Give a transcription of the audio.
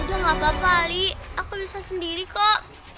udah gak apa apa ali aku bisa sendiri kok